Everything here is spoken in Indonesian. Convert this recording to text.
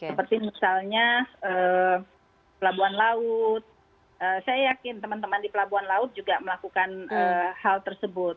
seperti misalnya pelabuhan laut saya yakin teman teman di pelabuhan laut juga melakukan hal tersebut